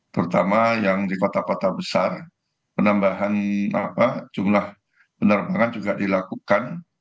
terutama yang di kota kota besar penambahan jumlah penerbangan juga dilakukan